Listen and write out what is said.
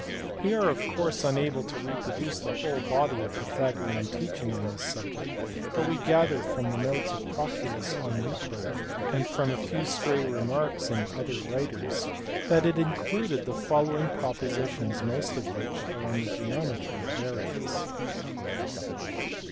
We are of course unable to reproduce the whole body of Pythagorean teaching on this subject, but we gather from the notes of Proclus on Euclid and from a few stray remarks in other writers that it included the following propositions, most of which are on the geometry of areas.